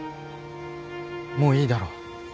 もういいだろ。